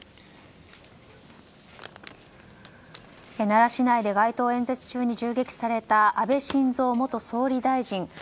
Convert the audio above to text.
奈良市内で街頭演説中に銃撃された、安倍晋三元総理大臣。